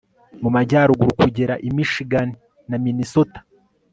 mu majyaruguru kugera i michigan na minnesota